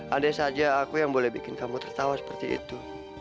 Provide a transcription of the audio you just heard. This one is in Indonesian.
andai saja aku yang boleh bikin kamu tertawa seperti itu